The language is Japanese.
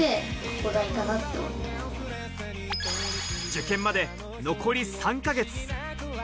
受験まで残り３か月。